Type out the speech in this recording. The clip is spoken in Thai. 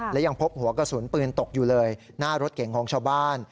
และยังพบหัวกระสุนปืนตกอยู่เลยหน้ารถเก่งของชาวบ้าน